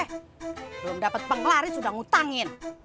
belum dapet penglaris udah ngutangin